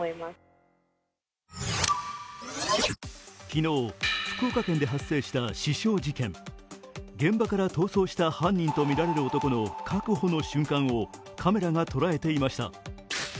昨日、福岡県で発声した刺傷事件現場から逃走した犯人とみられる男の確保の瞬間をカメラが捉えていました。